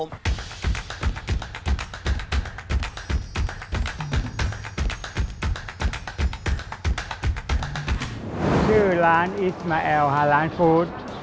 ชื่อร้านอิสมาแอลร้านฟู้ด